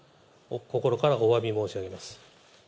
心からおわび申し上げます。